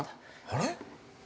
あれ？